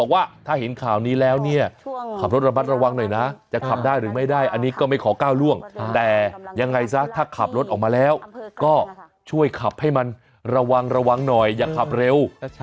ว่าถ้าเห็นข่าวนี้แล้วเนี่ยขับรถระมัดระวังหน่อยนะจะขับได้หรือไม่ได้อันนี้ก็ไม่ขอก้าวล่วงแต่ยังไงซะถ้าขับรถออกมาแล้วก็ช่วยขับให้มันระวังระวังหน่อยอย่าขับเร็ว